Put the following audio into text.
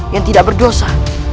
yang tidak berdosa